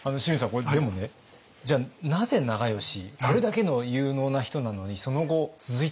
これでもねじゃあなぜ長慶これだけの有能な人なのにその後続いてないんですか？